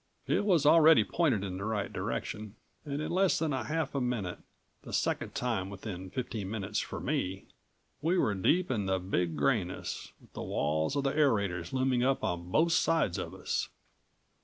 It was already pointed in the right direction, and in less than half a minute the second time within fifteen minutes for me we were deep in the Big Grayness, with the walls of the aerators looming up on both sides of us.